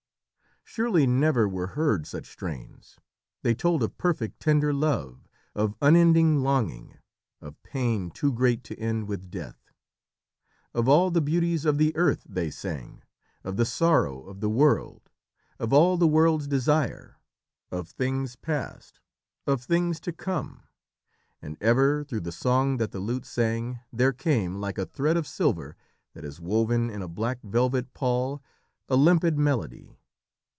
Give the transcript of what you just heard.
Surely never were heard such strains. They told of perfect, tender love, of unending longing, of pain too great to end with death. Of all the beauties of the earth they sang of the sorrow of the world of all the world's desire of things past of things to come. And ever, through the song that the lute sang, there came, like a thread of silver that is woven in a black velvet pall, a limpid melody.